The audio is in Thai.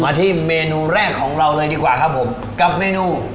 ที่เมนูแรกของเราเลยดีกว่าครับผมกับเมนู